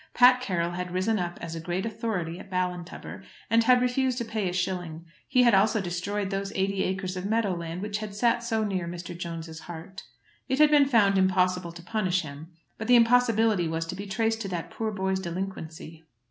Pat Carroll had risen up as a great authority at Ballintubber, and had refused to pay a shilling. He had also destroyed those eighty acres of meadow land which had sat so near Mr. Jones's heart. It had been found impossible to punish him, but the impossibility was to be traced to that poor boy's delinquency.